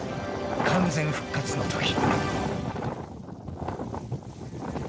完全復活のとき］